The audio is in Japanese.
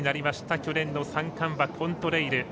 去年の三冠馬コントレイル。